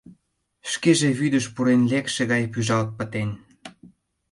Шкеже вӱдыш пурен лекше гай пӱжалт пытен.